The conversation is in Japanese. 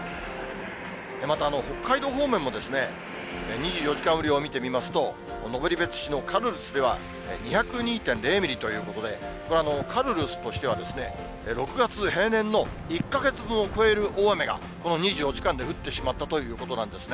また北海道方面も、２４時間雨量を見てみますと、登別市のカルルスでは、２０２．０ミリということで、これはカルルスとしては、６月平年の１か月分を超える大雨が、この２４時間で降ってしまったということなんですね。